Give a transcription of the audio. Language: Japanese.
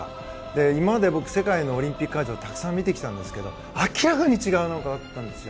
今まで僕世界のオリンピック会場たくさん見てきたんですが明らかに違うのがあったんですよ。